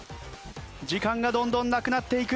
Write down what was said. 時間がどんどんなくなっていく。